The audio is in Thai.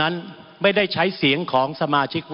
มันมีมาต่อเนื่องมีเหตุการณ์ที่ไม่เคยเกิดขึ้น